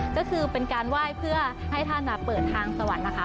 ก็คือเป็นการไหว้เพื่อให้ท่านเปิดทางสวรรค์นะคะ